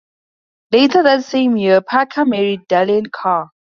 Later that same year, Parker married Darleen Carr.